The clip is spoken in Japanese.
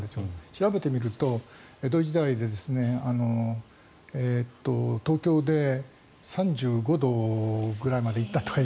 調べてみると、江戸時代で東京で３５度ぐらいまで行ったとか。